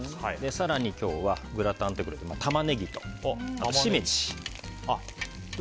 更に今日はグラタンということでタマネギとシメジ。